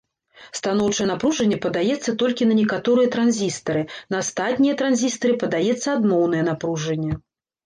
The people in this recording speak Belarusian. Станоўчае напружанне падаецца толькі на некаторыя транзістары, на астатнія транзістары падаецца адмоўнае напружанне.